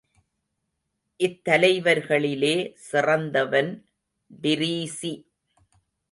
இத்தலைவர்களிலே சிறந்தவன் டிரீஸி.